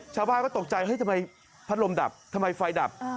ชาวบ้านก็ตกใจเฮ้ยทำไมพัดลมดับทำไมไฟดับ